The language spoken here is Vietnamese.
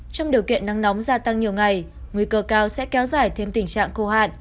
trong điều kiện nắng nóng gia tăng nhiều ngày nguy cơ cao sẽ kéo dài thêm tình trạng khô hạn